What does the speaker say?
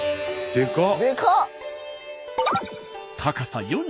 でかっ！